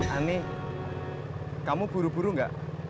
aneh kamu buru buru gak